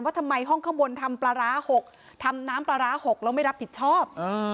ทำไมห้องข้างบนทำปลาร้า๖ทำน้ำปลาร้า๖แล้วไม่รับผิดชอบ